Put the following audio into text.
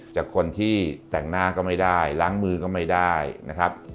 จากคนที่แต่งหน้าก็ไม่ได้ล้างมือก็ไม่ได้นะครับ